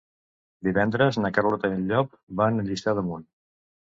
Divendres na Carlota i en Llop van a Lliçà d'Amunt.